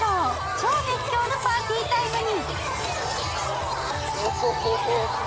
超熱狂のパーティータイムに！